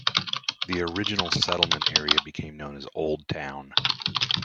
The original settlement area became known as Old Town.